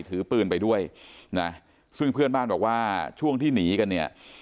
ถือปืนไปด้วยนะซึ่งเพื่อนบ้านบอกว่าช่วงที่หนีกันเนี่ย